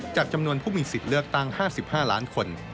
จำนวนผู้มีสิทธิ์เลือกตั้ง๕๕ล้านคน